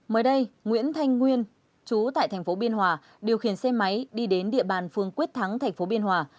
mới đây nguyễn thanh nguyên chú tại thành phố biên hòa điều khiển xe máy đi đến địa bàn phương quyết thắng tp biên hòa